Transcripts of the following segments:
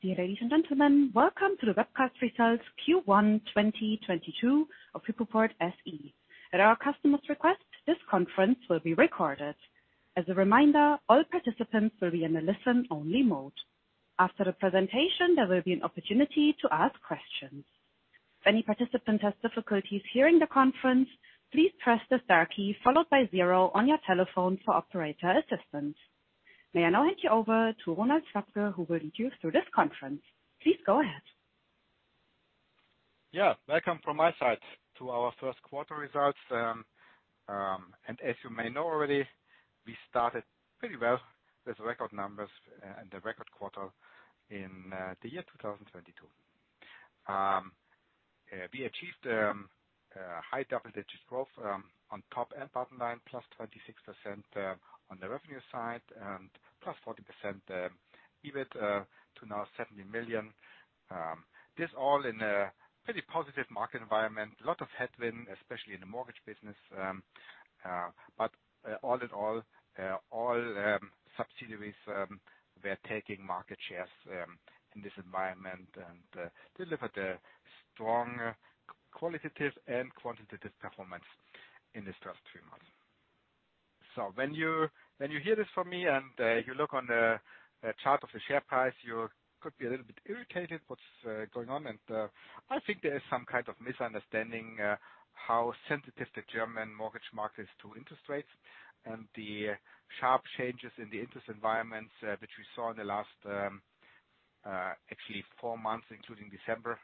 Dear ladies and gentlemen, welcome to the webcast results Q1 2022 of Hypoport SE. At our customer's request, this conference will be recorded. As a reminder, all participants will be in a listen-only mode. After the presentation, there will be an opportunity to ask questions. If any participant has difficulties hearing the conference, please press the star key followed by zero on your telephone for operator assistance. May I now hand you over to Ronald Slabke, who will lead you through this conference. Please go ahead. Yeah. Welcome from my side to our first quarter results. As you may know already, we started pretty well with record numbers and the record quarter in the year 2022. We achieved high double digits growth on top and bottom line, +26% on the revenue side and +40% EBIT to now 70 million. This all in a pretty positive market environment. A lot of headwind, especially in the mortgage business, but all in all, subsidiaries were taking market shares in this environment and delivered a strong qualitative and quantitative performance in these first three months. When you hear this from me and you look on the chart of the share price, you could be a little bit irritated what's going on. I think there is some kind of misunderstanding how sensitive the German mortgage market is to interest rates and the sharp changes in the interest environments which we saw in the last actually four months, including December.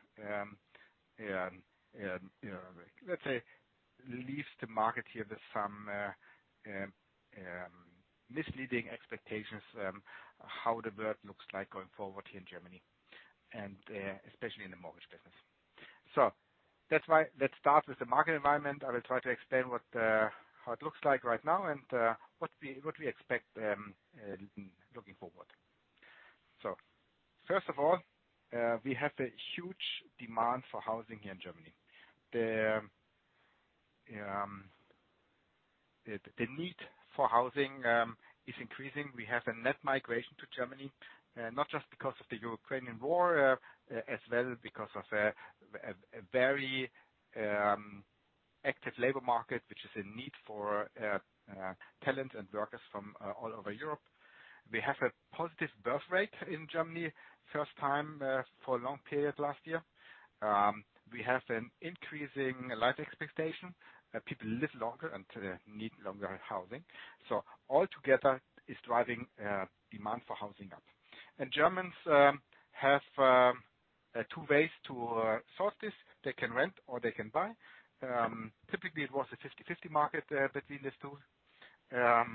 Let's say leaves the market here with some misleading expectations how the world looks like going forward here in Germany and especially in the mortgage business. That's why. Let's start with the market environment. I will try to explain how it looks like right now and what we expect looking forward. First of all, we have a huge demand for housing here in Germany. The need for housing is increasing. We have a net migration to Germany, not just because of the Ukrainian war, as well, because of a very active labor market, which is a need for talent and workers from all over Europe. We have a positive birth rate in Germany, first time for a long period last year. We have an increasing life expectancy. People live longer and they need longer housing, so altogether is driving demand for housing up. Germans have two ways to solve this. They can rent or they can buy. Typically it was a 50/50 market between these two. The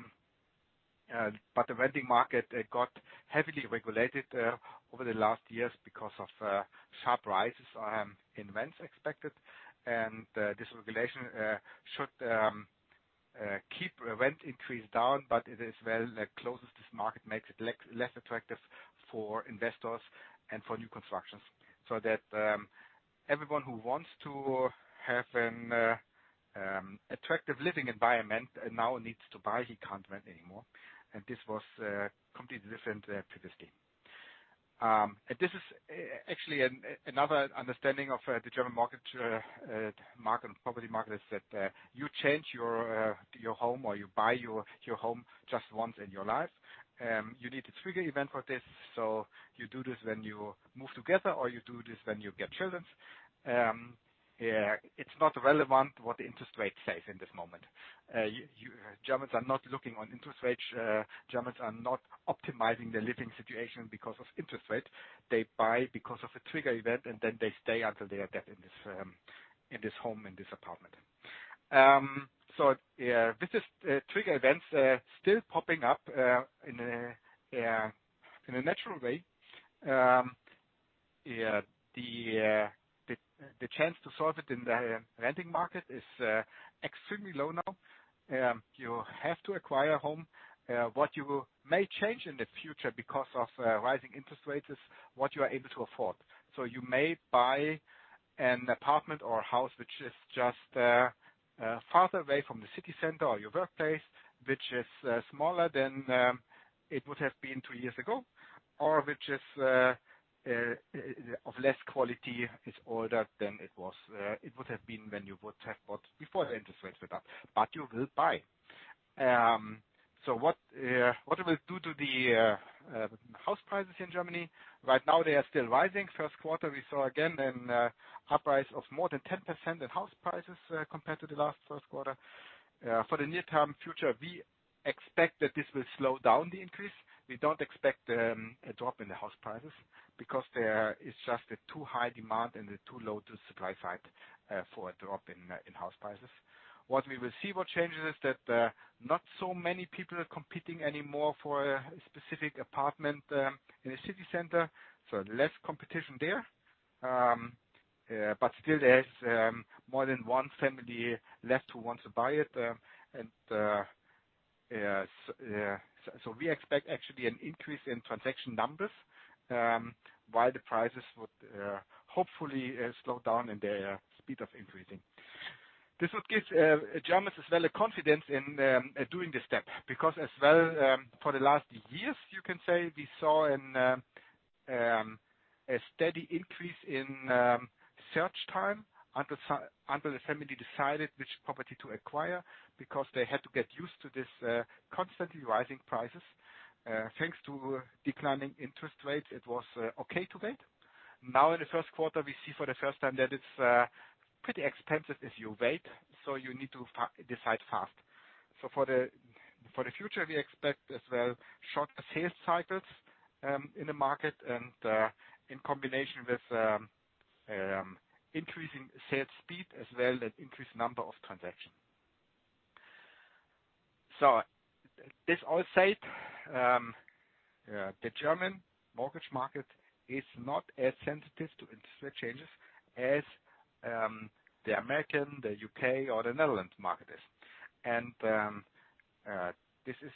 renting market, it got heavily regulated over the last years because of sharp rises in rents expected. This regulation should keep rent increase down, but it is well it closes this market, makes it less attractive for investors and for new constructions. Everyone who wants to have an attractive living environment and now needs to buy, he can't rent anymore. This was completely different previously. This is actually another understanding of the German market property market is that you change your home or you buy your home just once in your life. You need a trigger event for this. You do this when you move together or you do this when you get children. It's not relevant what the interest rate says in this moment. Germans are not looking on interest rates. Germans are not optimizing their living situation because of interest rates. They buy because of a trigger event, and then they stay until their death in this home, in this apartment. This is trigger events still popping up in a natural way. The chance to solve it in the renting market is extremely low now. You have to acquire home. What may change in the future because of rising interest rates is what you are able to afford. You may buy an apartment or house, which is just farther away from the city center or your workplace, which is smaller than it would have been two years ago or which is of less quality. It's older than it would have been when you would have bought before the interest rates were up, but you will buy. What it will do to the house prices in Germany? Right now they are still rising. First quarter, we saw again a rise of more than 10% in house prices compared to the last first quarter. For the near-term future, we expect that this will slow down the increase. We don't expect a drop in the house prices because there is just a too high demand and a too low supply side for a drop in house prices. What we will see what changes is that not so many people are competing anymore for a specific apartment in a city center, so less competition there. Still there's more than one family left who wants to buy it. Yes, yeah. We expect actually an increase in transaction numbers, while the prices would hopefully slow down in their speed of increasing. This would give Germans as well a confidence in doing this step, because as well, for the last years, you can say we saw a steady increase in search time until the family decided which property to acquire because they had to get used to this constantly rising prices. Thanks to declining interest rates, it was okay to wait. Now in the first quarter, we see for the first time that it's pretty expensive if you wait, so you need to decide fast. For the future, we expect as well short sales cycles in the market and in combination with increasing sales speed as well as increased number of transactions. This all said, the German mortgage market is not as sensitive to interest rate changes as the American, the U.K., or the Netherlands market is. This is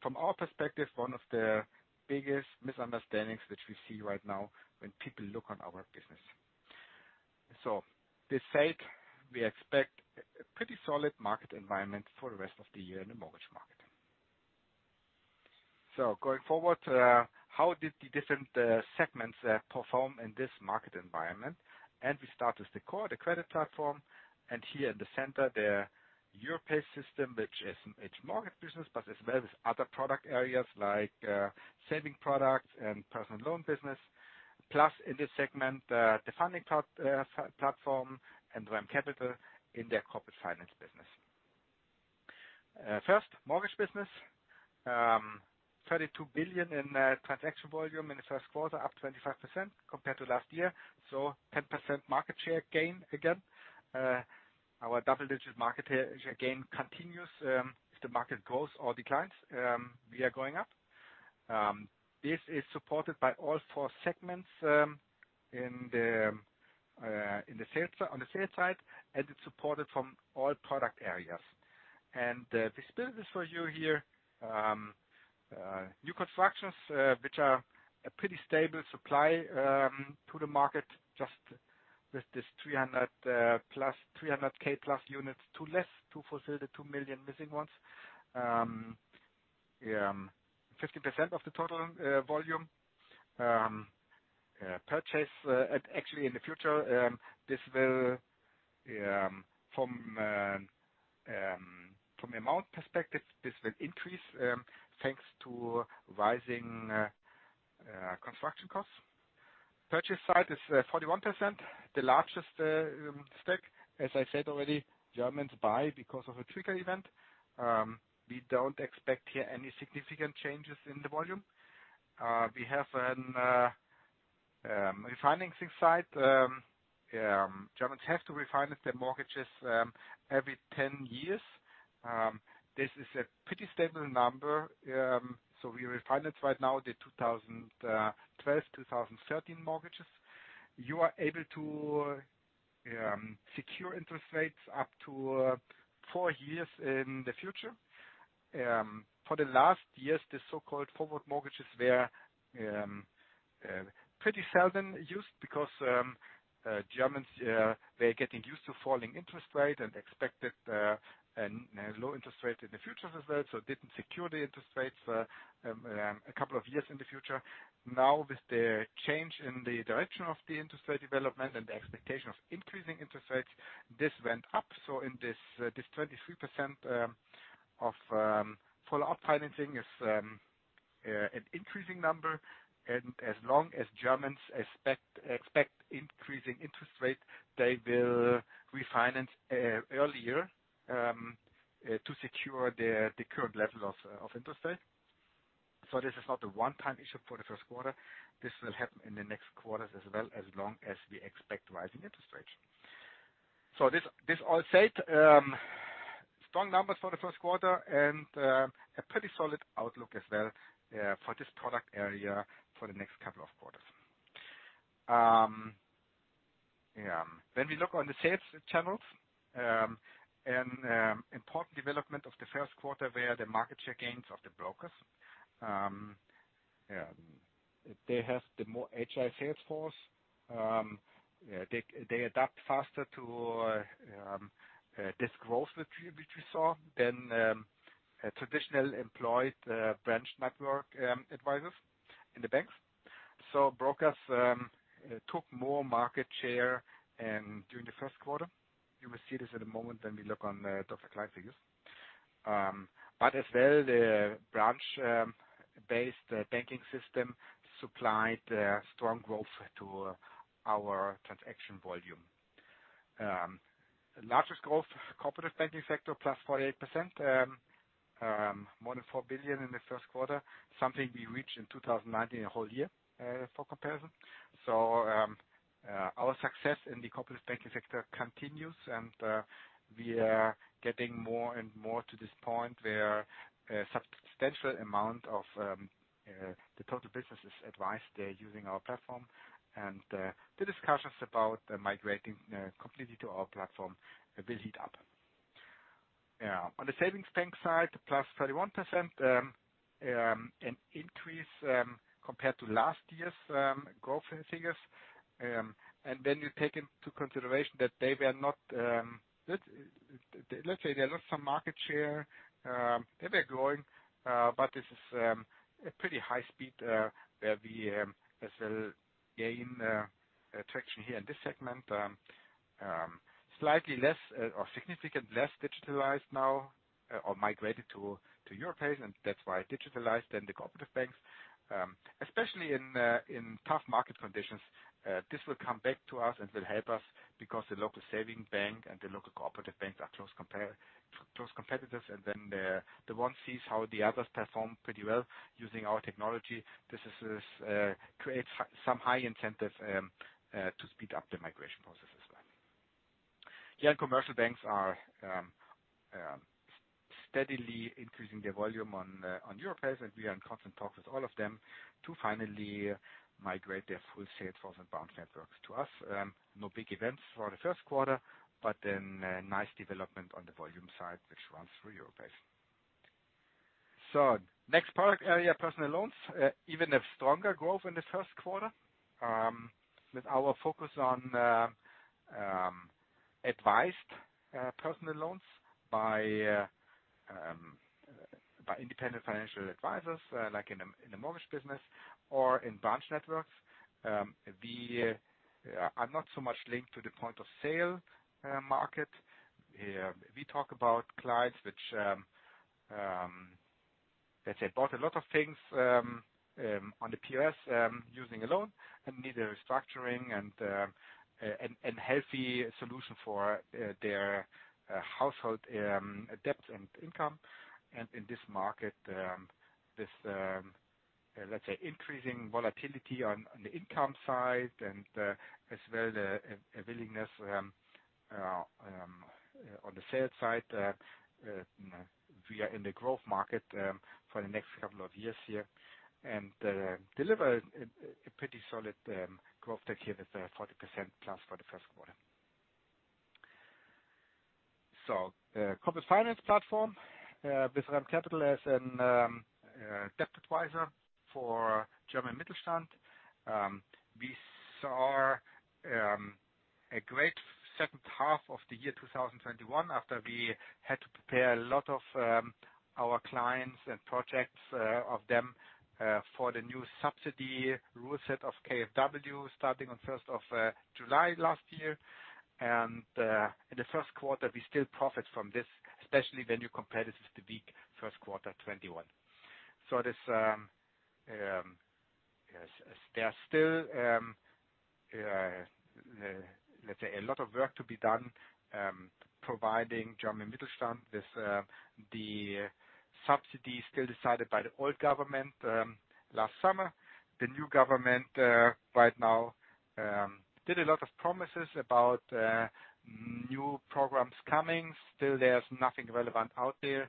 from our perspective, one of the biggest misunderstandings which we see right now when people look on our business. This said, we expect a pretty solid market environment for the rest of the year in the mortgage market. Going forward, how did the different segments perform in this market environment? We start with the core, the credit platform, and here in the center, the Europace, which is its market business, but as well as other product areas like saving products and personal loan business, plus in this segment, the funding platform and REM Capital in their corporate finance business. First mortgage business, 32 billion in transaction volume in the first quarter, up 25% compared to last year, so 10% market share gain again. Our double-digit market share gain continues, if the market grows or declines, we are going up. This is supported by all four segments in the sales side, and it's supported from all product areas. We split this for you here. New constructions, which are a pretty stable supply to the market, just with this 300 plus 300K-plus units, too few to fulfill the 2 million missing ones. Fifty percent of the total volume. Actually, in the future, this will from amount perspective increase, thanks to rising construction costs. Purchase side is 41%, the largest stack. As I said already, Germans buy because of a trigger event. We don't expect here any significant changes in the volume. We have a financing side. Germans have to refinance their mortgages every 10 years. This is a pretty stable number. We refinance right now the 2012, 2013 mortgages. You are able to secure interest rates up to four years in the future. For the last years, the so-called forward mortgages were pretty seldom used because Germans, they're getting used to falling interest rate and expected a low interest rate in the future as well, so didn't secure the interest rates a couple of years in the future. Now, with the change in the direction of the interest rate development and the expectation of increasing interest rates, this went up. In this 23% of follow-up financing is an increasing number. As long as Germans expect increasing interest rate, they will refinance earlier to secure the current level of interest rate. This is not a one-time issue for the first quarter. This will happen in the next quarters as well, as long as we expect rising interest rates. This all said, strong numbers for the first quarter and a pretty solid outlook as well for this product area for the next couple of quarters. When we look on the sales channels, an important development of the first quarter were the market share gains of the brokers. They have the more agile sales force. They adapt faster to this growth which we saw than traditional employed branch network advisors in the banks. Brokers took more market share during the first quarter. You will see this in a moment when we look on the slide figures. As well, the branch-based banking system supplied strong growth to our transaction volume. The largest growth, corporate banking sector, +48%, more than 4 billion in the first quarter, something we reached in 2019 a whole year, for comparison. Our success in the corporate banking sector continues, and we are getting more and more to this point where a substantial amount of the total business is advised. They're using our platform, and the discussions about migrating completely to our platform will heat up. On the savings bank side, +31%, an increase compared to last year's growth figures. When you take into consideration that they were not, let's say they lost some market share, and they're growing, but this is a pretty high speed, where we as a gain attraction here in this segment. Slightly less or significantly less digitalized now or migrated to Europace, and that's why digitalized than the cooperative banks. Especially in tough market conditions, this will come back to us and will help us because the local savings bank and the local cooperative banks are close competitors. Then the one sees how the others perform pretty well using our technology. This creates some high incentive to speed up the migration process as well. Here commercial banks are steadily increasing their volume on Europace, and we are in constant talk with all of them to finally migrate their full sales force and branch networks to us. No big events for the first quarter, but then a nice development on the volume side which runs through Europace. Next product area, personal loans. Even a stronger growth in the first quarter, with our focus on advised personal loans by independent financial advisors, like in the mortgage business or in branch networks. We are not so much linked to the point of sale market. We talk about clients which let's say bought a lot of things on the POS using a loan and need a restructuring and healthy solution for their household debt and income. In this market, this let's say increasing volatility on the income side and as well the willingness on the sales side, we are in the growth market for the next couple of years here. We deliver a pretty solid growth here with a 40%+ for the first quarter. Corporate finance platform with REM Capital as a debt advisor for German Mittelstand. We saw a great second half of the year 2021 after we had to prepare a lot of our clients and projects of them for the new subsidy rule set of KfW starting on first of July last year. In the first quarter, we still profit from this, especially when you compare this with the weak first quarter 2021. This, yes. There are still, let's say a lot of work to be done providing German Mittelstand with the subsidies still decided by the old government last summer. The new government right now did a lot of promises about new programs coming. Still there's nothing relevant out there,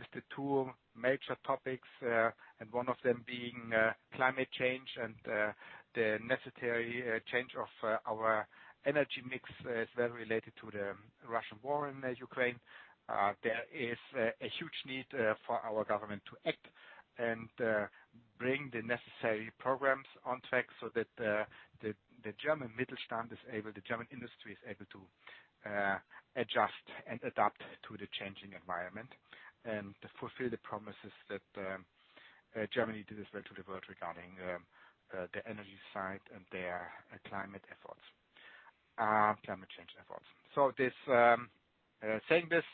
with the two major topics, and one of them being climate change and the necessary change of our energy mix as well related to the Russian war in Ukraine. There is a huge need for our government to act and bring the necessary programs on track so that the German Mittelstand is able to the German industry is able to adjust and adapt to the changing environment and fulfill the promises that Germany did as well to the world regarding the energy side and their climate efforts, climate change efforts. Saying this,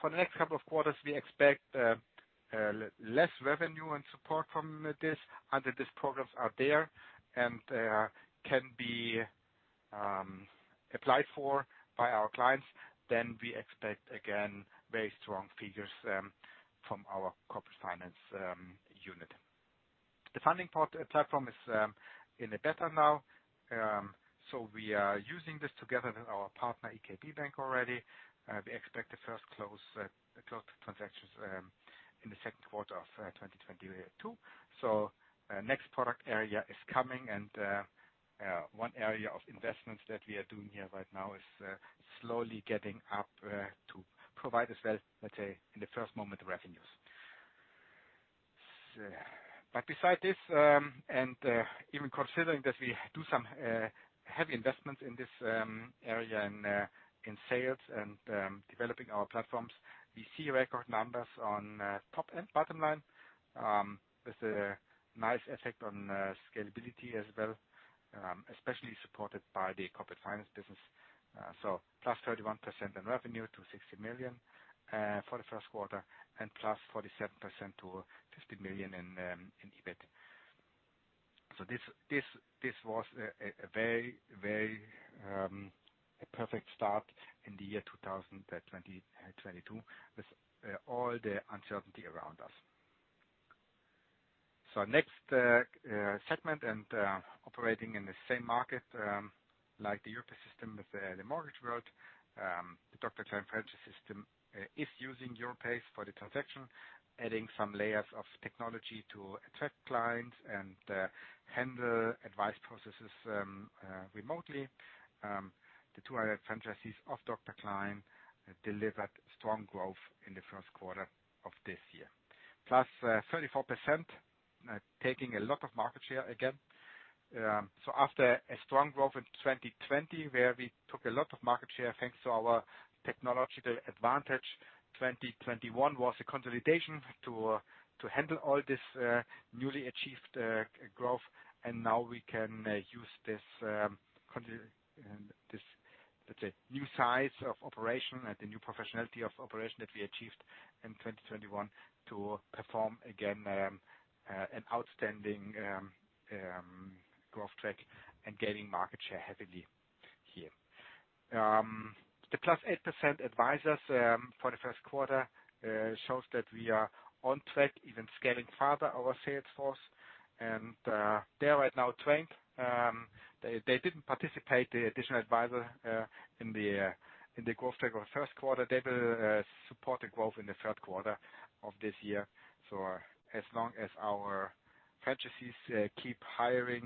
for the next couple of quarters, we expect less revenue and support from this until these programs are there and can be applied for by our clients. We expect again very strong figures from our corporate finance unit. The funding part platform is in the beta now. We are using this together with our partner, IKB Bank already. We expect the first close transactions in the second quarter of 2022. Next product area is coming and one area of investments that we are doing here right now is slowly getting up to provide as well, let's say, in the first moment revenues. But besides this, and even considering that we do some heavy investments in this area in sales and developing our platforms. We see record numbers on top and bottom line with a nice effect on scalability as well, especially supported by the corporate finance business. Plus 31% in revenue to 60 million for the first quarter, and plus 47% to 50 million in EBIT. This was a very perfect start in the year 2022 with all the uncertainty around us. Next segment and operating in the same market like the Europace system with the mortgage world. The Dr. Klein franchise system is using Europace for the transaction, adding some layers of technology to attract clients and handle advice processes remotely. The 200 franchises of Dr. Klein delivered strong growth in the first quarter of this year. Plus, 34%, taking a lot of market share again. After a strong growth in 2020, where we took a lot of market share, thanks to our technology, the advantage. 2021 was a consolidation to handle all this newly achieved growth. Now we can use this, let's say, new size of operation and the new professionality of operation that we achieved in 2021 to perform again an outstanding growth track and gaining market share heavily here. The +8% advisors for the first quarter shows that we are on track, even scaling farther our sales force. They are right now trained. They didn't participate the additional advisor in the growth track of first quarter. They will support the growth in the third quarter of this year. As long as our franchises keep hiring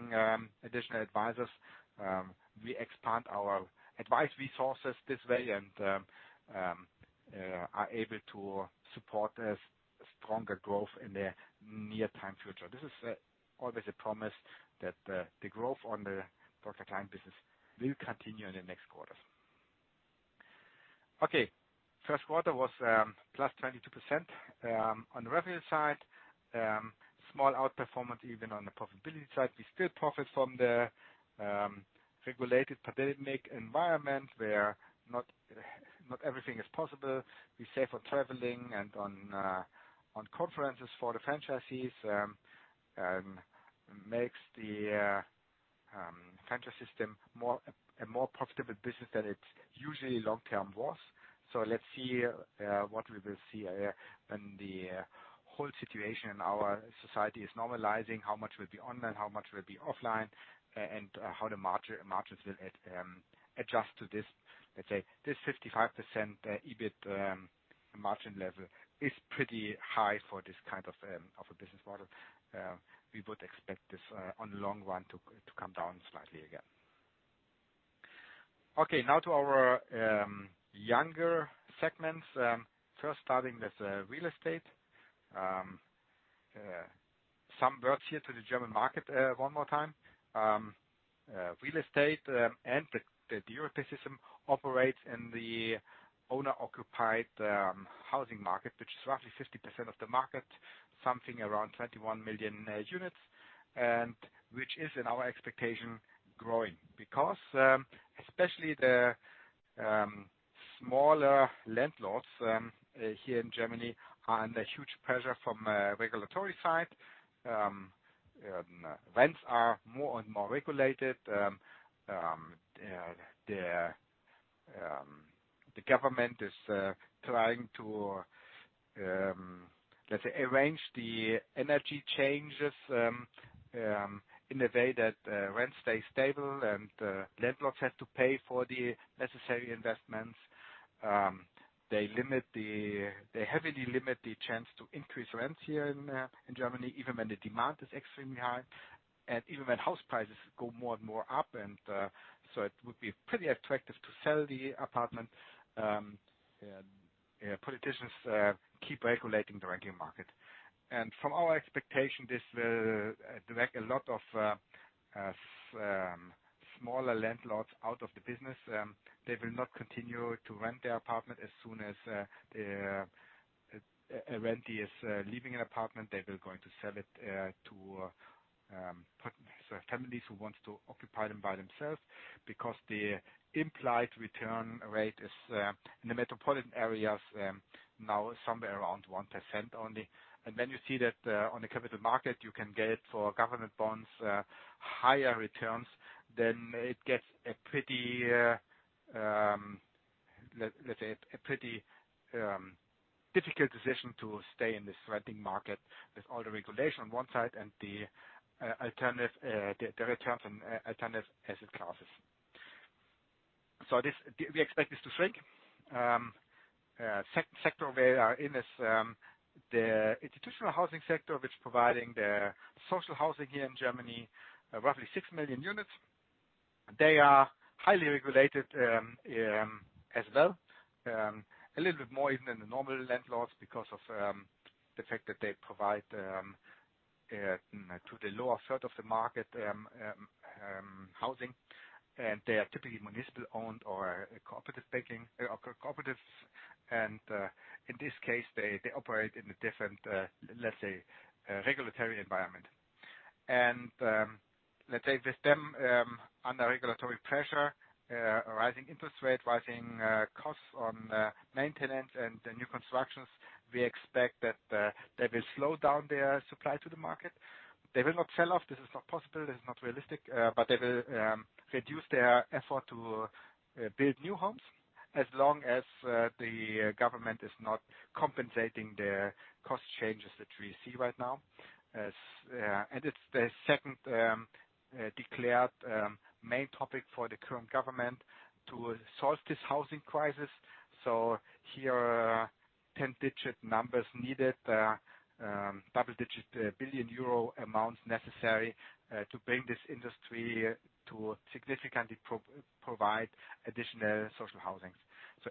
additional advisors, we expand our advice resources this way and are able to support a stronger growth in the near time future. This is always a promise that the growth on the broker client business will continue in the next quarters. Okay. First quarter was plus 22% on the revenue side. Small outperformance even on the profitability side. We still profit from the regulated pandemic environment where not everything is possible. We save on traveling and on conferences for the franchisees, makes the franchise system more profitable business than it usually long-term was. Let's see what we will see when the whole situation in our society is normalizing, how much will be online, how much will be offline, and how the margins will adjust to this. Let's say this 55% EBIT margin level is pretty high for this kind of a business model. We would expect this on the long run to come down slightly again. Okay, now to our younger segments. First starting with real estate. Some words here to the German market one more time. Real estate and the European system operates in the owner-occupied housing market, which is roughly 50% of the market, something around 21 million units, and which is in our expectation growing. Because especially the smaller landlords here in Germany are under huge pressure from a regulatory side. Rents are more and more regulated. The government is trying to, let's say, arrange the energy changes in a way that rent stays stable and landlords have to pay for the necessary investments. They heavily limit the chance to increase rents here in Germany, even when the demand is extremely high and even when house prices go more and more up. So it would be pretty attractive to sell the apartment. Politicians keep regulating the rental market. From our expectation, this will drive a lot of smaller landlords out of the business. They will not continue to rent their apartment. As soon as a tenant is leaving an apartment, they will going to sell it to families who want to occupy them by themselves because the implied return rate is in the metropolitan areas now somewhere around 1% only. You see that on the capital market, you can get for government bonds higher returns. It gets a pretty let's say a pretty difficult decision to stay in this renting market with all the regulation on one side and the alternative the returns and alternative asset classes. We expect this to shrink. Sector we are in is the institutional housing sector, which providing the social housing here in Germany, roughly 6 million units. They are highly regulated, as well. A little bit more even than the normal landlords because of the fact that they provide to the lower third of the market housing. They are typically municipal-owned or cooperatives. In this case, they operate in a different, let's say, regulatory environment. Let's say with them, under regulatory pressure, rising interest rate, rising costs on maintenance and the new constructions, we expect that they will slow down their supply to the market. They will not sell off. This is not possible. This is not realistic. They will reduce their effort to build new homes as long as the government is not compensating the cost changes that we see right now. It is the second declared main topic for the current government to solve this housing crisis. Ten-digit numbers are needed, double-digit billion EUR amounts necessary, to bring this industry to significantly provide additional social housing.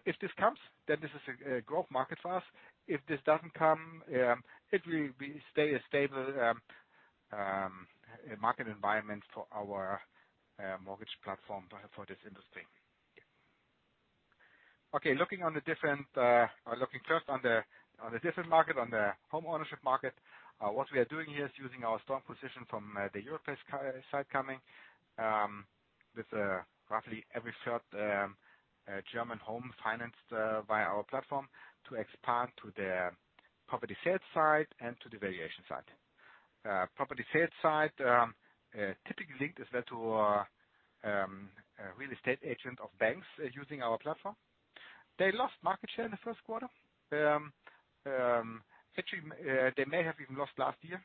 If this comes, then this is a growth market for us. If this doesn't come, it will stay a stable market environment for our mortgage platform for this industry. Okay. Looking first on the different market, on the home ownership market, what we are doing here is using our strong position from the Europace side with roughly 1/3 German home financed via our platform to expand to the property sales side and to the valuation side. Property sales side typically linked as well to real estate agent of banks using our platform. They lost market share in the first quarter. Actually, they may have even lost last year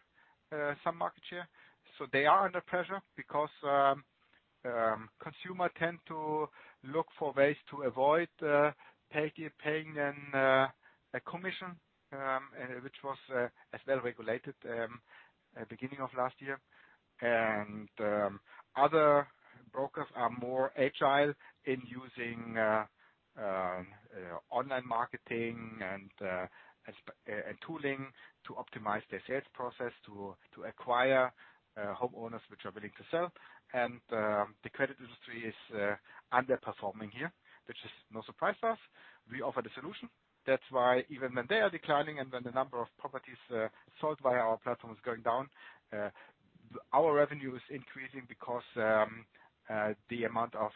some market share. They are under pressure because consumers tend to look for ways to avoid paying a commission, and which was as well regulated at beginning of last year. Other brokers are more agile in using online marketing and tooling to optimize their sales process to acquire homeowners which are willing to sell. The credit industry is underperforming here, which is no surprise to us. We offer the solution. That's why even when they are declining and when the number of properties sold via our platform is going down, our revenue is increasing because the amount of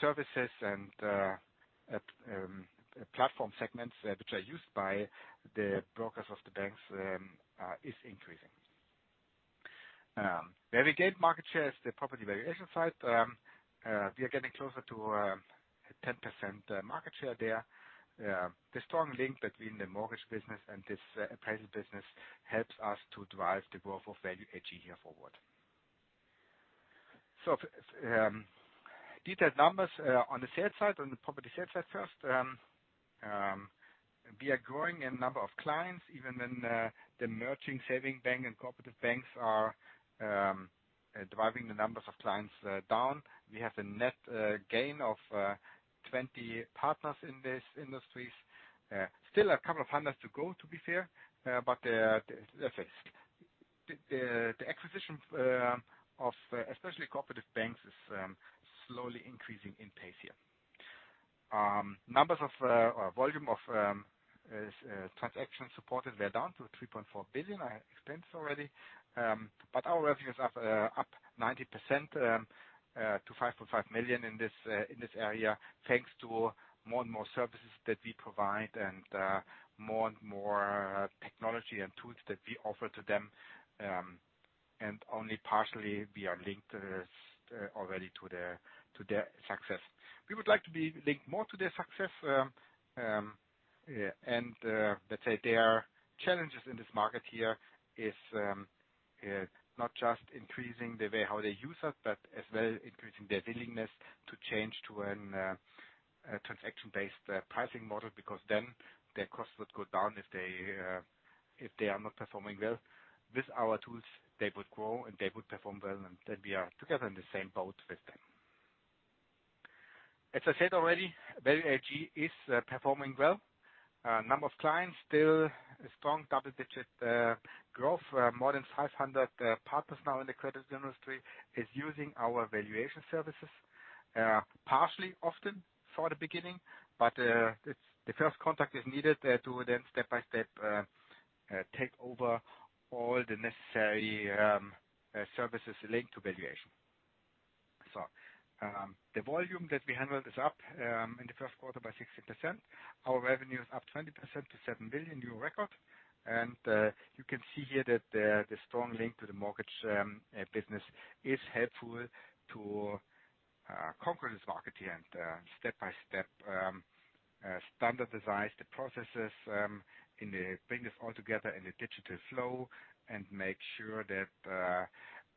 services and platform segments which are used by the brokers of the banks is increasing. Where we gain market shares, the property valuation side, we are getting closer to 10% market share there. The strong link between the mortgage business and this appraisal business helps us to drive the growth of Value AG here forward. Detailed numbers on the sales side, on the property sales side first. We are growing in number of clients, even when the merging savings banks and cooperative banks are driving the numbers of clients down. We have a net gain of 20 partners in these industries. Still a couple of hundred to go to be fair, but they are tough. The acquisition of especially cooperative banks is slowly increasing in pace here. Volume of transactions supported, we are down to 3.4 billion. I explained this already. Our revenue is up 90% to 5.5 million in this area, thanks to more and more services that we provide and more and more technology and tools that we offer to them, and only partially we are linked already to their success. We would like to be linked more to their success. Let's say there are challenges in this market. Here, not just increasing the way how they use us, but as well increasing their willingness to change to a transaction-based pricing model, because then their costs would go down if they are not performing well. With our tools, they would grow and they would perform well, and then we are together in the same boat with them. As I said already, Value AG is performing well. Number of clients, still a strong double-digit growth. More than 500 partners now in the credit industry is using our valuation services, partially often for the beginning, but the first contact is needed to then step by step take over all the necessary services linked to valuation. The volume that we handled is up in the first quarter by 60%. Our revenue is up 20% to 7 billion, new record. You can see here that the strong link to the mortgage business is helpful to conquer this market here and step by step standardize the processes and bring this all together in a digital flow and make sure that,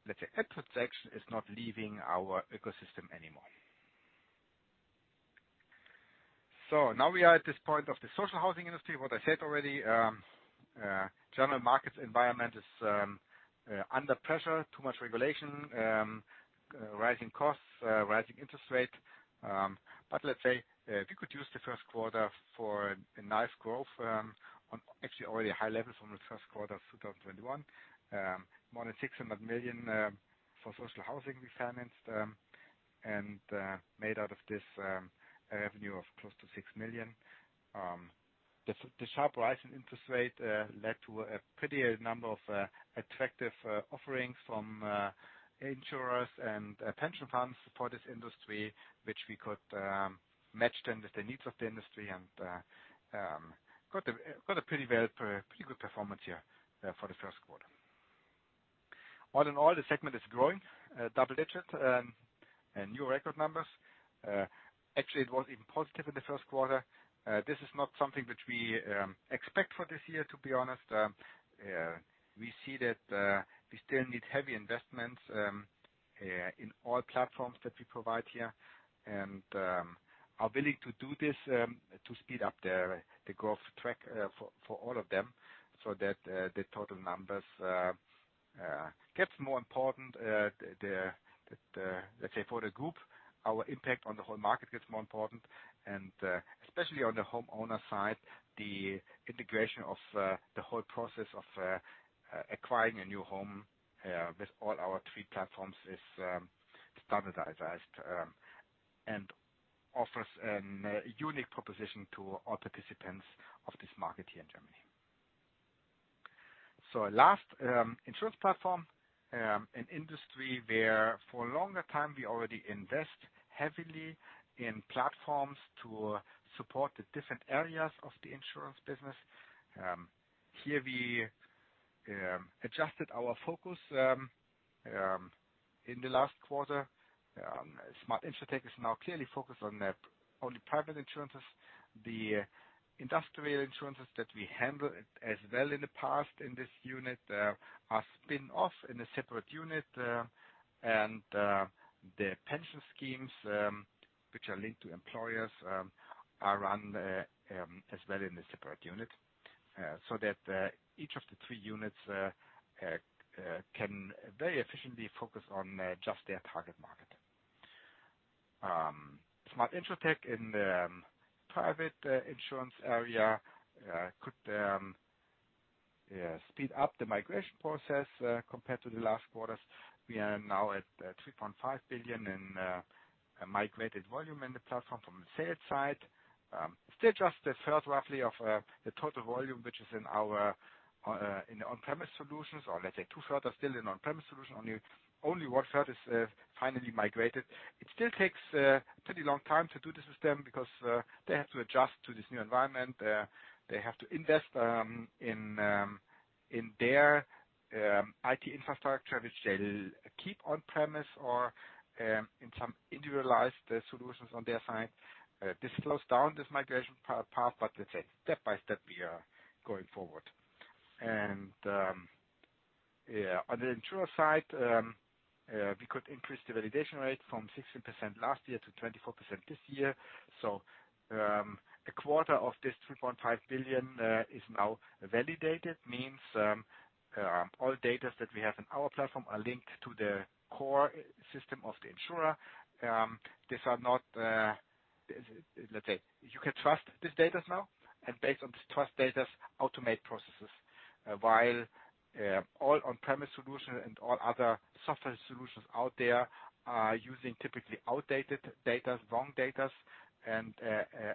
let's say, a transaction is not leaving our ecosystem anymore. Now we are at this point of the social housing industry. What I said already, German market environment is under pressure, too much regulation, rising costs, rising interest rate. Let's say, we could use the first quarter for a nice growth on actually already high levels from the first quarter of 2021. More than 600 million for social housing we financed, and made out of this a revenue of close to 6 million. The sharp rise in interest rate led to a pretty number of attractive offerings from insurers and pension funds for this industry, which we could match them with the needs of the industry and got a pretty good performance here for the first quarter. All in all, the segment is growing double digits and new record numbers. Actually, it was even positive in the first quarter. This is not something which we expect for this year, to be honest. We see that we still need heavy investments in all platforms that we provide here, and are willing to do this to speed up the growth track for all of them, so that the total numbers gets more important. Let's say for the group, our impact on the whole market gets more important, and especially on the homeowner side, the integration of the whole process of acquiring a new home with all our three platforms is standardized and offers a unique proposition to all participants of this market here in Germany. Last insurance platform, an industry where for a longer time we already invest heavily in platforms to support the different areas of the insurance business. Here we adjusted our focus in the last quarter. Smart InsurTech is now clearly focused on the private insurances. The industrial insurances that we handled as well in the past in this unit are spun off in a separate unit. The pension schemes, which are linked to employers, are run as well in a separate unit, so that each of the three units can very efficiently focus on just their target market. Smart InsurTech in the private insurance area could speed up the migration process compared to the last quarters. We are now at 3.5 billion in migrated volume in the platform from the sales side. Still just a third roughly of the total volume, which is in our in on-premises solutions, or let's say two-thirds are still in on-premises solution. Only one-third is finally migrated. It still takes a pretty long time to do the system because they have to adjust to this new environment. They have to invest in in their IT infrastructure, which they keep on premises or in some individualized solutions on their side. This slows down this migration path, but let's say step by step, we are going forward. Yeah, on the insurer side, we could increase the validation rate from 16% last year to 24% this year. A quarter of this 3.5 billion is now validated, means all data that we have in our platform are linked to the core system of the insurer. These are not, let's say you can trust these data now and based on these trusted data automate processes. While all on-premises solution and all other software solutions out there are using typically outdated data, wrong data, and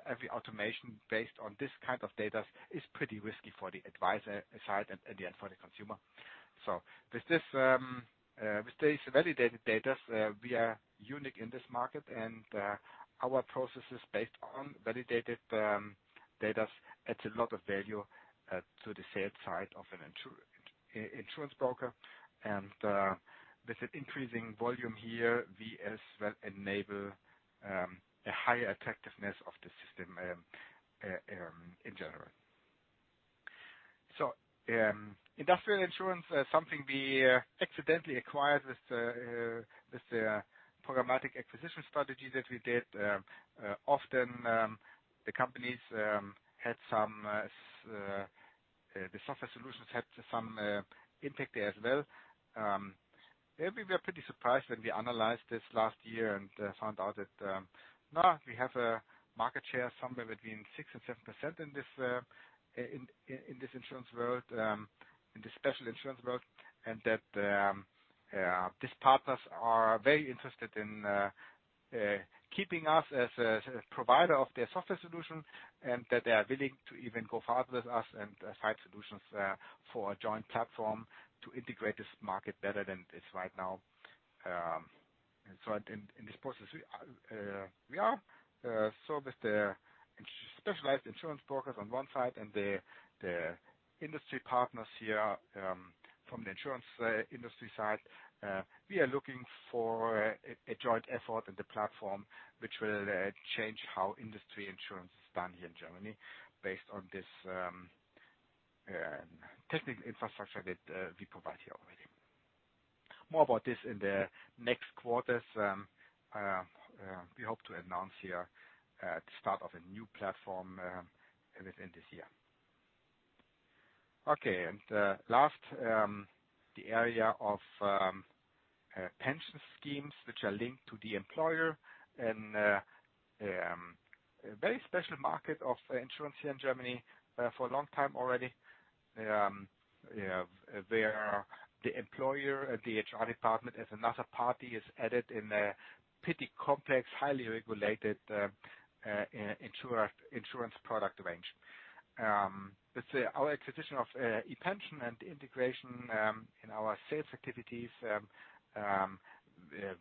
every automation based on this kind of data is pretty risky for the advisor side and in the end for the consumer. With this, with these validated data, we are unique in this market, and our processes based on validated data adds a lot of value to the sales side of an insurance broker. With an increasing volume here, we as well enable a higher attractiveness of the system in general. Industrial insurance, something we accidentally acquired with the programmatic acquisition strategy that we did. Often the software solutions had some impact there as well. Maybe we are pretty surprised when we analyzed this last year and found out that we have a market share somewhere between 6%-7% in this special insurance world. That these partners are very interested in keeping us as a provider of their software solutions and that they are willing to even go farther with us and find solutions for a joint platform to integrate this market better than it is right now, in this process. We are with the specialized insurance brokers on one side and the industry partners here from the insurance industry side. We are looking for a joint effort in the platform which will change how industrial insurance is done here in Germany based on this technical infrastructure that we provide here already. More about this in the next quarters. We hope to announce here at the start of a new platform within this year. Okay. Last, the area of pension schemes which are linked to the employer and a very special market of insurance here in Germany for a long time already. Where the employer and the HR department as another party is added in a pretty complex, highly regulated, insurance product range. Our acquisition of ePension and integration in our sales activities,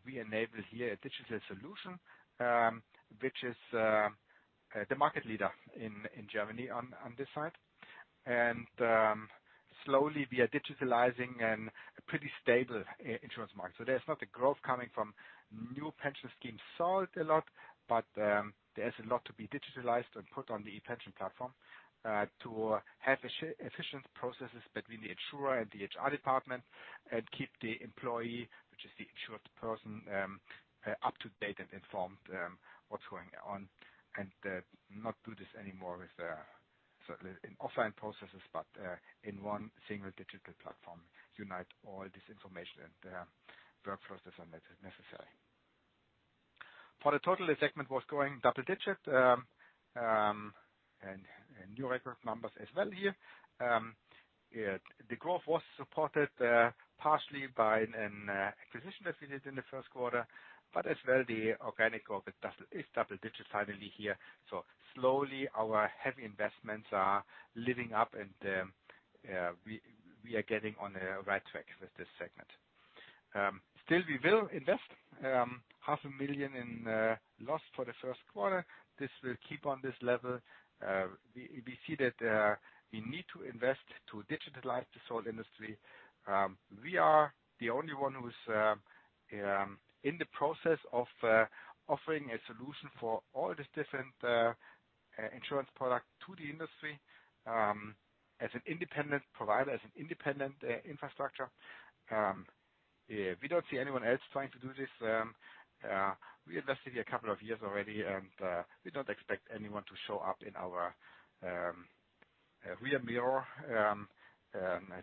we enable here a digital solution, which is the market leader in Germany on this side. Slowly, we are digitizing a pretty stable insurance market. There's not a growth coming from new pension schemes sold a lot, but there's a lot to be digitalized and put on the ePension platform to have efficient processes between the insurer and the HR department and keep the employee, which is the insured person, up to date and informed what's going on, and not do this anymore with offline processes, but in one single digital platform, unite all this information and workflows that are necessary. For the total, the segment was going double digit and new record numbers as well here. The growth was supported partially by an acquisition that we did in the first quarter, but as well the organic of it is double digit finally here. Slowly our heavy investments are living up and we are getting on the right track with this segment. Still we will invest half a million EUR in loss for the first quarter. This will keep on this level. We see that we need to invest to digitalize this whole industry. We are the only one who's in the process of offering a solution for all these different insurance products to the industry, as an independent provider, as an independent infrastructure. We don't see anyone else trying to do this. We invested here a couple of years already and we don't expect anyone to show up in our rearview mirror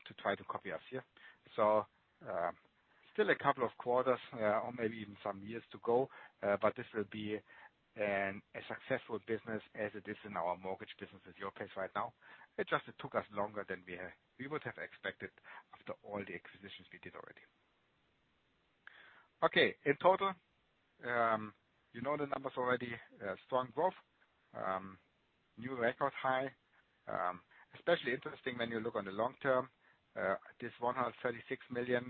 to try to copy us, yeah. Still a couple of quarters, or maybe even some years to go, but this will be a successful business as it is in our mortgage business with Europace right now. It just took us longer than we would have expected after all the acquisitions we did already. Okay. In total, you know the numbers already. Strong growth. New record high. Especially interesting when you look on the long term. This 136 million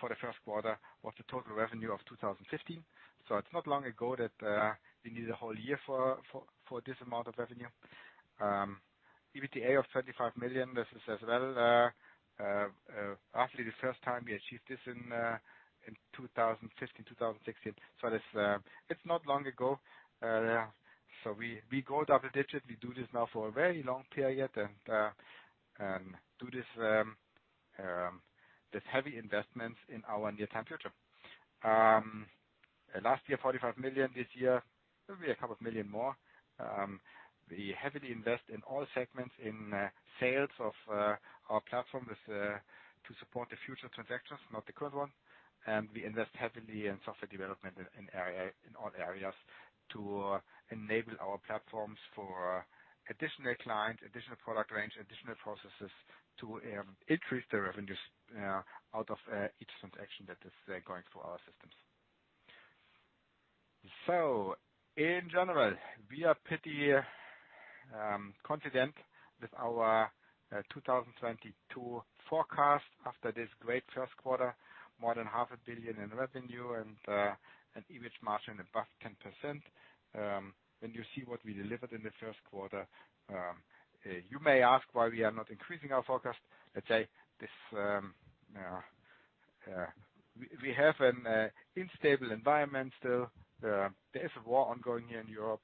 for the first quarter was the total revenue of 2015. It's not long ago that we needed a whole year for this amount of revenue. EBITDA of 35 million. This is as well, actually the first time we achieved this in 2015, 2016. This, it's not long ago. We go double digits. We do this now for a very long period and do this heavy investments in our near-term future. Last year, 45 million. This year, maybe 2 million more. We heavily invest in all segments in sales of our platform to support the future transactions, not the current one. We invest heavily in software development in all areas to enable our platforms for additional clients, additional product range, additional processes to increase the revenues out of each transaction that is going through our systems. In general, we are pretty confident with our 2022 forecast after this great first quarter. More than half a billion EUR in revenue and an EBIT margin above 10%. When you see what we delivered in the first quarter, you may ask why we are not increasing our forecast. Let's say this, we have an unstable environment still. There is a war ongoing here in Europe.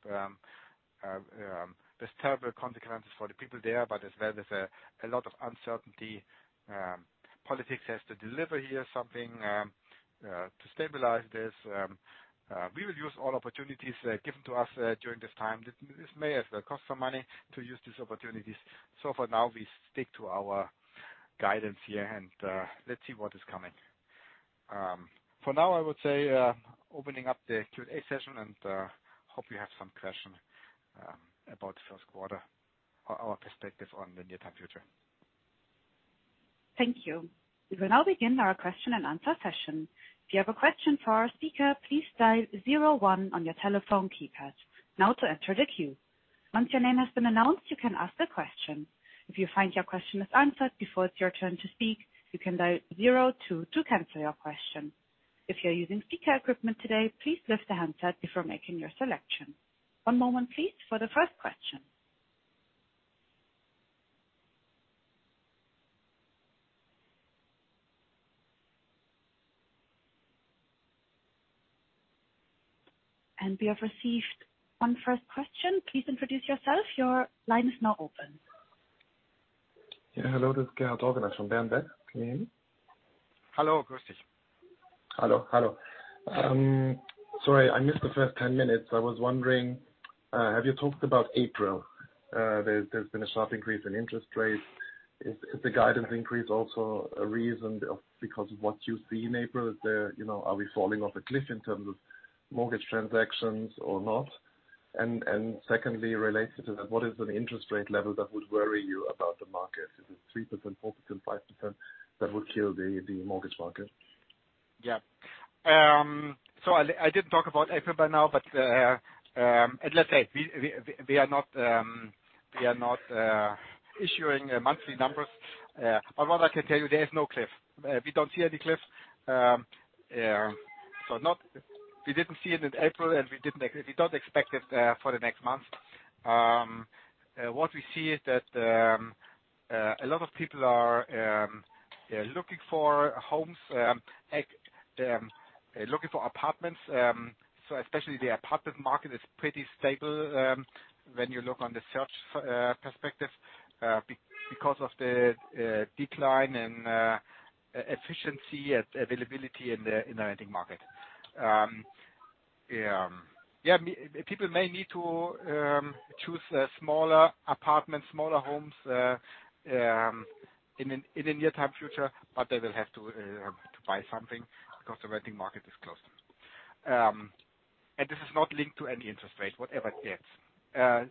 There's terrible consequences for the people there, but as well there's a lot of uncertainty. Politics has to deliver here something to stabilize this. We will use all opportunities given to us during this time. This may cost some money to use these opportunities. For now, we stick to our guidance here and, let's see what is coming. For now, I would say, opening up the Q&A session and, hope you have some question, about the first quarter or our perspectives on the near-term future. Thank you. We will now begin our question-and-answer session. If you have a question for our speaker, please dial zero-one on your telephone keypad now to enter the queue. Once your name has been announced, you can ask the question. If you find your question is answered before it's your turn to speak, you can dial zero-two to cancel your question. If you're using speaker equipment today, please lift the handset before making your selection. One moment please for the first question. We have received one first question. Please introduce yourself. Your line is now open. Hello, this is Gerhard Orgonas from Berenberg Bank. Can you hear me? Sorry I missed the first 10 minutes. I was wondering, have you talked about April? There's been a sharp increase in interest rates. Is the guidance increase also a reason because of what you see in April? You know, are we falling off a cliff in terms of mortgage transactions or not? Secondly, related to that, what is an interest rate level that would worry you about the market? Is it 3%, 4%, 5% that would kill the mortgage market? Yeah. I didn't talk about April by now, but let's say we are not issuing monthly numbers. What I can tell you, there is no cliff. We don't see any cliff. We didn't see it in April, and we don't expect it for the next month. What we see is that a lot of people are looking for homes, looking for apartments. Especially the apartment market is pretty stable, when you look on the search perspective, because of the decline and efficiency at availability in the renting market. People may need to choose smaller apartments, smaller homes, in the near-term future, but they will have to to buy something because the renting market is closed. This is not linked to any interest rate, whatever it gets.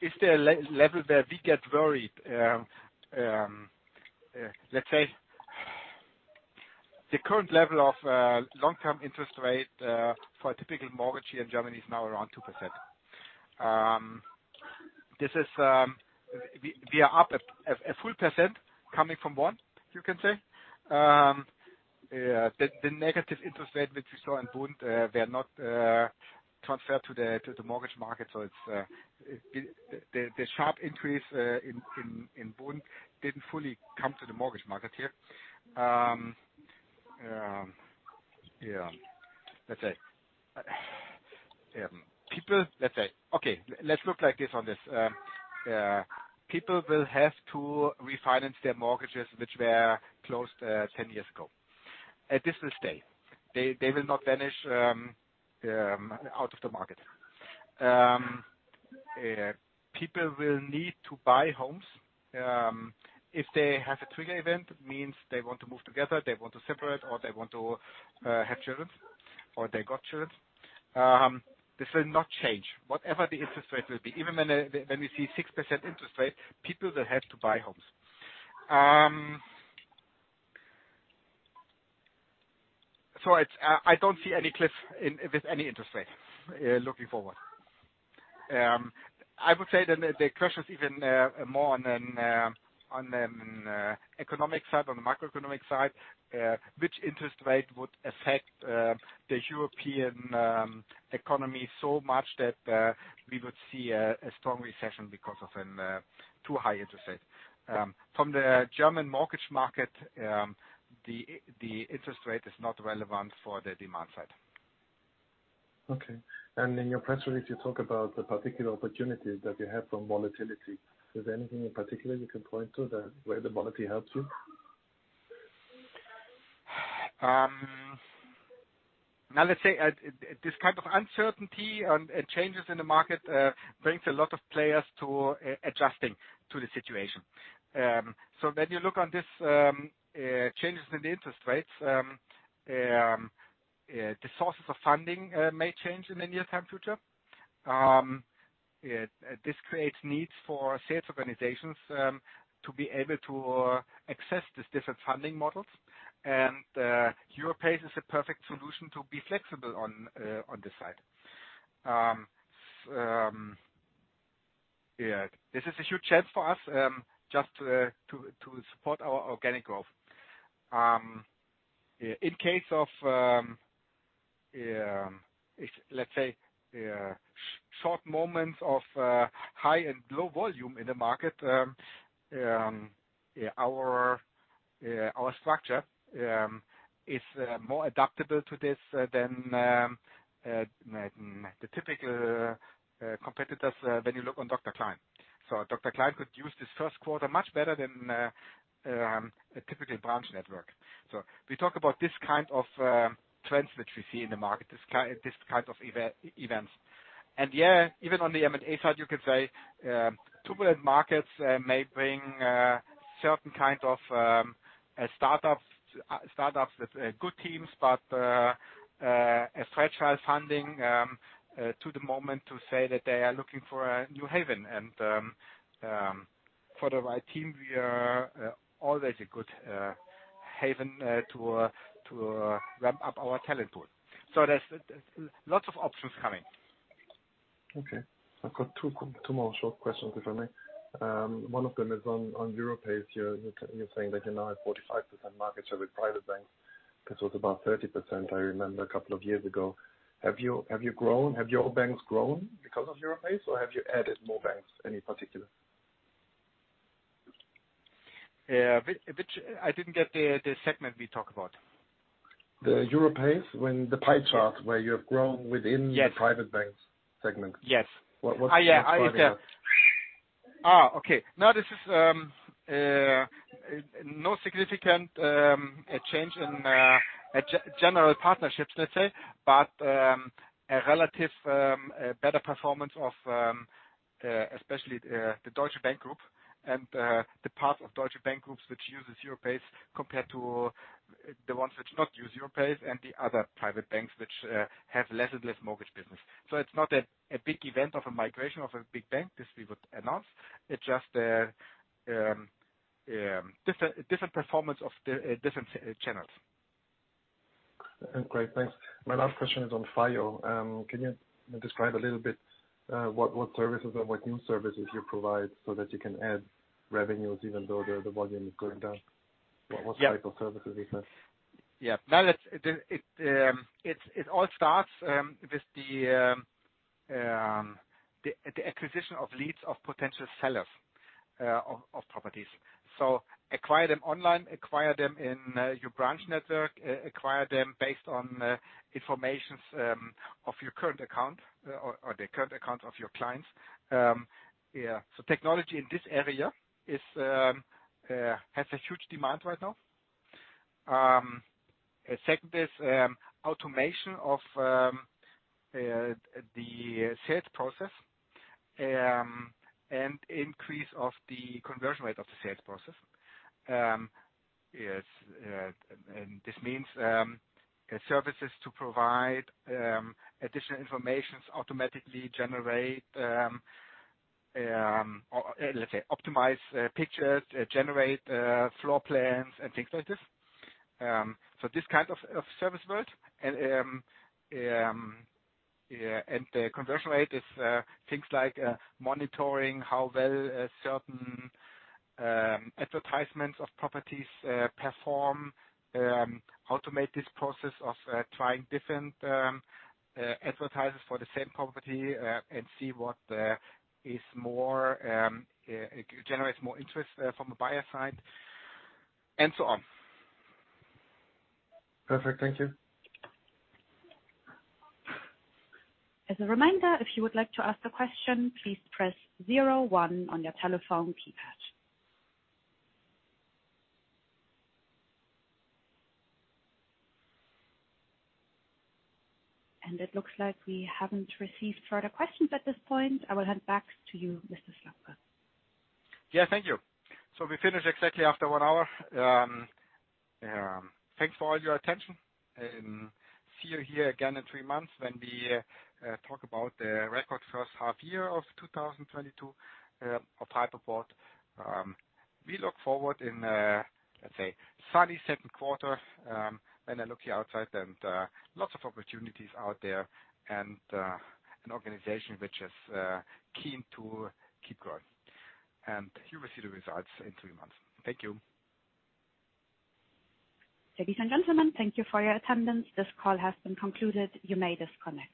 Is there a level that we get worried? Let's say the current level of long-term interest rate for a typical mortgage here in Germany is now around 2%. This is, we are up a full 1% coming from 1%, you can say. The negative interest rate which we saw in Bund were not transferred to the mortgage market. It's the sharp increase in Bund didn't fully come to the mortgage market here. Let's say, okay, let's put it like this. People will have to refinance their mortgages which were closed 10 years ago. This will stay. They will not vanish out of the market. People will need to buy homes. If they have a trigger event, means they want to move together, they want to separate, or they want to have children, or they got children, this will not change. Whatever the interest rate will be. Even when we see 6% interest rate, people will have to buy homes. It's, I don't see any cliff with any interest rate, looking forward. I would say the question is even more on economic side, on the macroeconomic side, which interest rate would affect the European economy so much that we would see a strong recession because of an too high interest rate. From the German mortgage market, the interest rate is not relevant for the demand side. Okay. In your press release, you talk about the particular opportunities that you have from volatility. Is there anything in particular you can point to where the volatility helps you? Now let's say this kind of uncertainty and changes in the market brings a lot of players to adjusting to the situation. So when you look on this changes in the interest rates the sources of funding may change in the near-term future. This creates needs for sales organizations to be able to access these different funding models. Europace is a perfect solution to be flexible on this side. This is a huge chance for us just to support our organic growth. If, let's say, short moments of high and low volume in the market, our structure is more adaptable to this than the typical competitors when you look on Dr. Klein. Dr. Klein could use this first quarter much better than a typical branch network. We talk about this kind of trends which we see in the market, this kind of events. Yeah, even on the M&A side, you could say, turbulent markets may bring certain kind of startups with good teams, but a stretched out funding to the moment to say that they are looking for a new haven. For the right team, we are always a good haven to ramp up our talent pool. There's lots of options coming. Okay. I've got two more short questions, if I may. One of them is on Europace. You're saying that you now have 45% market share with private banks. This was about 30%, I remember, a couple of years ago. Have your banks grown because of Europace, or have you added more banks, any particular? Yeah. I didn't get the segment we talk about. The Europace. The pie chart where you've grown within- Yes. The private banks segment. Yes. What? Yeah. I get. Was the private bank? Okay. No, this is no significant change in general partnerships, let's say. A relative better performance of especially the Deutsche Bank Group and the part of Deutsche Bank Group which uses Europace compared to the ones which not use Europace and the other private banks which have less and less mortgage business. It's not a big event of a migration of a big bank, this we would announce. It's just a different performance of the different channels. Great. Thanks. My last question is on FIO. Can you describe a little bit, what services and what new services you provide so that you can add revenues even though the volume is going down? Yeah. What type of services is that? It all starts with the acquisition of leads of potential sellers of properties. Acquire them online, acquire them in your branch network, acquire them based on information of your current account or the current account of your clients. Yeah. Technology in this area has a huge demand right now. Second is automation of the sales process and increase of the conversion rate of the sales process. Yes, and this means services to provide additional information automatically generate. Let's say, optimize pictures, generate floor plans and things like this. This kind of service world and the conversion rate is things like monitoring how well a certain advertisements of properties perform, automate this process of trying different advertisers for the same property, and see what generates more interest from the buyer side and so on. Perfect. Thank you. As a reminder, if you would like to ask the question, please press zero-one on your telephone keypad. It looks like we haven't received further questions at this point. I will hand back to you, Mr. Slabke. Yeah, thank you. We finish exactly after one hour. Thanks for all your attention and see you here again in three months when we talk about the record first half year of 2022 of Hypoport. We look forward in, let's say sunny second quarter, when I look outside and lots of opportunities out there and an organization which is keen to keep growing. You will see the results in three months. Thank you. Ladies and gentlemen, thank you for your attendance. This call has been concluded. You may disconnect.